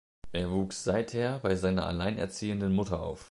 Er wuchs seither bei seiner alleinerziehenden Mutter auf.